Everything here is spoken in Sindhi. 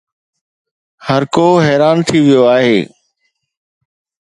هرڪو حيران ٿي ويو آهي.